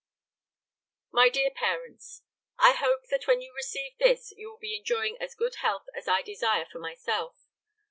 "MY DEAR PARENTS: I hope that when you receive this you will be enjoying as good health as I desire for myself.